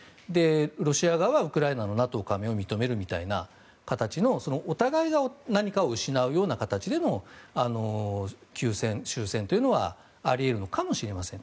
ロシア側はウクライナのＮＡＴＯ加盟を認めるみたいなお互いが、何かを失う形での休戦、終戦はあり得るのかもしれません。